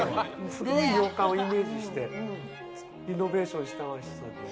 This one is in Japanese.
古い洋館をイメージしてリノベーションして。